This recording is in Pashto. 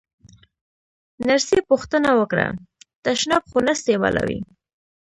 نرسې پوښتنه وکړه: تشناب خو نه استعمالوې؟